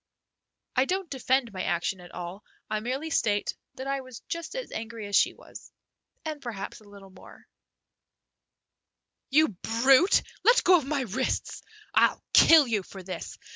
I don't defend my action at all; I merely state that I was just as angry as she was, and perhaps a little more so. "You brute, let go of my wrists! I'll kill you for this!